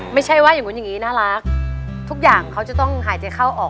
ไม่ใช่ว่าอย่างนู้นอย่างนี้น่ารักทุกอย่างเขาจะต้องหายใจเข้าออก